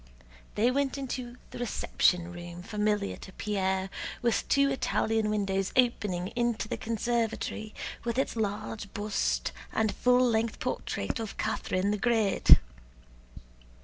They went into the reception room familiar to Pierre, with two Italian windows opening into the conservatory, with its large bust and full length portrait of Catherine the Great.